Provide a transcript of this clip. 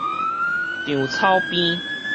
稻草編